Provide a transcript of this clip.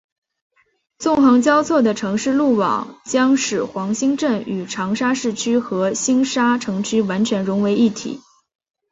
纵横交错的城市路网将使黄兴镇与长沙市区和星沙城区完全融为一体。